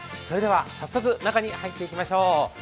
それでは早速中に入っていきましょう。